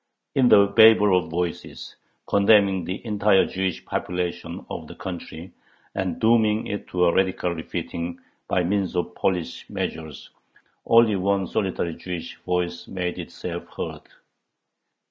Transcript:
In the babel of voices condemning the entire Jewish population of the country and dooming it to a radical "refitting" by means of police measures, only one solitary Jewish voice made itself heard.